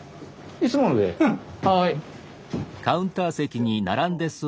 はい。